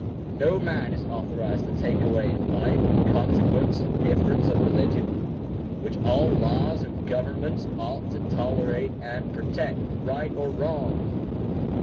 No man is authorized to take away life in consequence of difference of religion, which all laws and governments ought to tolerate and protect, right or wrong.